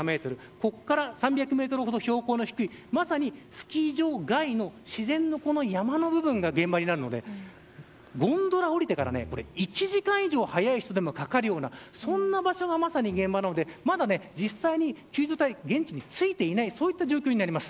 ここから３００メートルほど標高の低いまさに、スキー場外の自然の山の部分が現場になるのでゴンドラを降りてから１時間以上早い人でもかかるようなそんな場所がまさに現場なのでまだ実際に救助隊、現地に着いていないそういった状況になります。